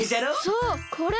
そうこれ！